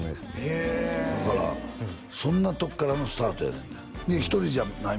へえだからそんなとこからのスタートやねん「ひとりぼっちじゃない」